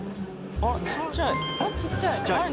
あっちっちゃい。